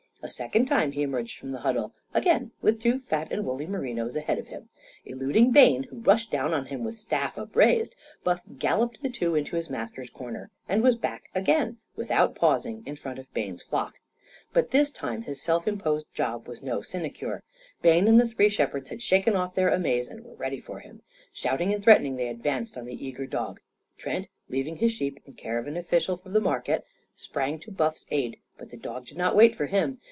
A second time he emerged from the huddle, again with two fat and woolly merinos ahead of him. Eluding Bayne, who rushed down on him with staff upraised, Buff galloped the two into his master's corner, and was back again, without pausing, in front of Bayne's flock. But this time his self imposed job was no sinecure. Bayne and the three shepherds had shaken off their amaze and were ready for him. Shouting and threatening they advanced on the eager dog. Trent, leaving his sheep in care of an official of the market, sprang to Buff's aid. But the dog did not wait for him.